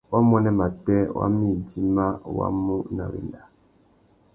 Wamuênê matê wa mà idjima wá mú nà wenda.